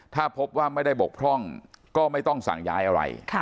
ถ้าพบว่าไม่ได้บกพร่องก็ไม่ต้องสั่งย้ายอะไร